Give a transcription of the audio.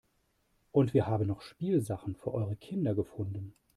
Und wir haben noch Spielsachen für eure Kinder gefunden.